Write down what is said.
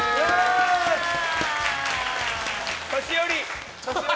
年寄り！